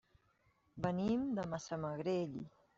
Venim de Massamagrell.